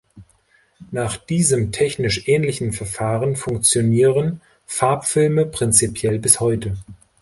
Nach diesem technisch ähnlichen Verfahren funktionieren Farbfilme prinzipiell bis heute.